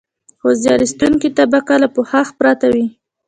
خو زیار ایستونکې طبقه له پوښاک پرته وي